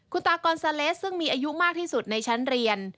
คุณตากอนซาเลสซึ่งมีอายุมากที่สุดในชั้นเรียน